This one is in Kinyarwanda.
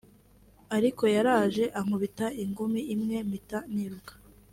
ariko yaraje ankubita ingumi imwe mpita niruka